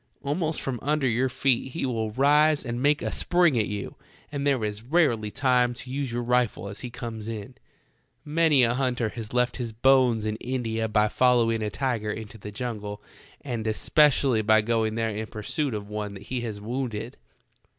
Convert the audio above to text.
Almost from under' your feet he will rise and make a spring at you, and there is rarely time to use your rifle as he comes on. Many a hunter has left his bones in India by following a tiger into the jungle, and especially by going there in pursuit of one that he has wounded.